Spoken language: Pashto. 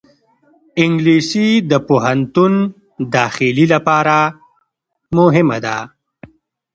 انګلیسي د پوهنتون داخلې لپاره مهمه ده